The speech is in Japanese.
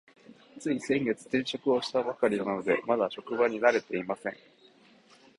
つい先月、転職をしたばかりなので、まだ職場に慣れていません。